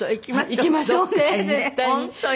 行きましょうね絶対に。